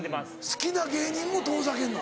好きな芸人も遠ざけんの？